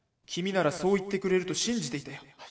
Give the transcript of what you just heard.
「君ならそう言ってくれると信じていたよ。